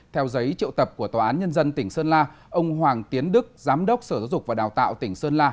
theo giấy triệu tập của tòa án nhân dân tỉnh sơn la ông hoàng tiến đức giám đốc sở giáo dục và đào tạo tỉnh sơn la